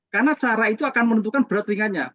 karena cara itu akan menentukan berat ringannya